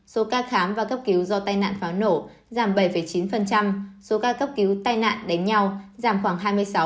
số ca khám và cấp cứu do tai nạn pháo nổ giảm bảy chín số ca cấp cứu tai nạn đánh nhau giảm khoảng hai mươi sáu